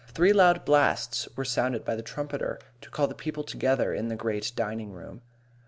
Three loud blasts were sounded by the trumpeter to call the people together in the great dining room.